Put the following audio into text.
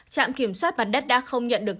trạm kiểm soát mặt đất đã không nhận được